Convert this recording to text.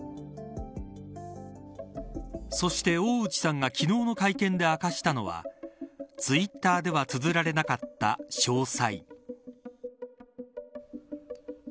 そして大内さんが昨日の会見で明かしたのはツイッターではつづられなかった詳細。